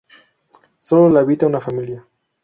Sólo la habita una familia.